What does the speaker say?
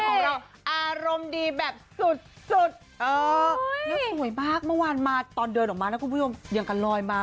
ของเราอารมณ์ดีแบบสุดโอ้ยมากเมื่อวานมาตอนเดินออกมาพี่หน่องเรียนกับรอยมา